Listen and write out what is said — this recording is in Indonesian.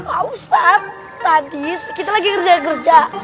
pak ustaz tadi kita lagi kerja kerja